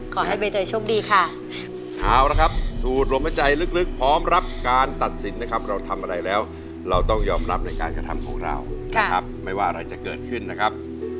โขดัยโขดัยโขดัยโขดัยโขดัยโขดัยโขดัยโขดัย